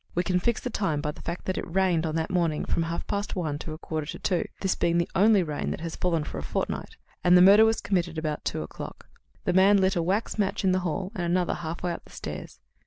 We can fix the time by the fact that it rained on that morning from half past one to a quarter to two, this being the only rain that has fallen for a fortnight, and the murder was committed at about two o'clock. The man lit a wax match in the hall and another halfway up the stairs.